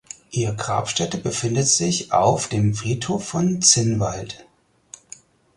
Ihr Grabstätte befindet sich auf dem Friedhof von Zinnwald.